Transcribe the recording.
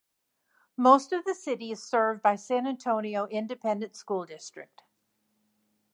Most of the city is served by San Antonio Independent School District.